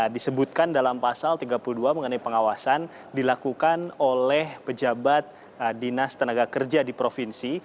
disebutkan dalam pasal tiga puluh dua mengenai pengawasan dilakukan oleh pejabat dinas tenaga kerja di provinsi